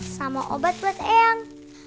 sama obat buat eang